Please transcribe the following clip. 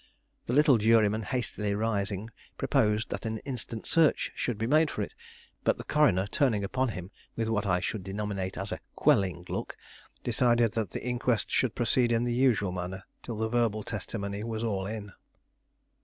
The little juryman hastily rising proposed that an instant search should be made for it; but the coroner, turning upon him with what I should denominate as a quelling look, decided that the inquest should proceed in the usual manner, till the verbal testimony was all in.